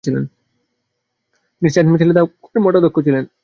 তিনি saint Michel the কুঁইয়ের মঠাধ্যক্ষ ছিলেন।